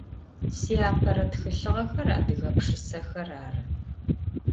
Siapere txılhığexer adıge pşşısexer arı.